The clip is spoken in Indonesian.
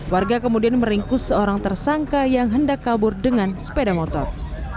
warga kemudian meringkus seorang tersangka yang hendak kabur dengan sepeda motor